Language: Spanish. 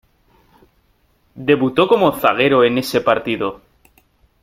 Debutó como zaguero en ese partido.